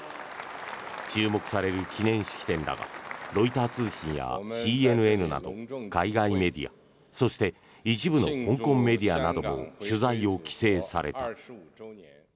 注目される記念式典だがロイター通信やＣＮＮなど海外メディアそして一部の香港メディアなども取材を規制された。